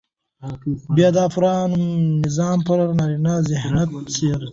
بيا دا پوره نظام پر نارينه ذهنيت څرخي.